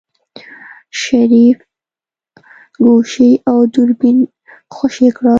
شريف ګوشي او دوربين خوشې کړل.